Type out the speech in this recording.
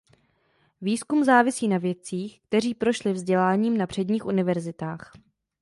Výzkum závisí na vědcích, kteří prošli vzděláním na předních univerzitách.